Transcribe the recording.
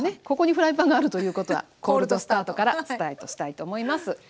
ここにフライパンがあるということはコールドスタートからスタートしたいと思います。